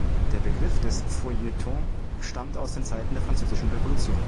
Der Begriff des Feuilletons stammt aus den Zeiten der Französischen Revolution.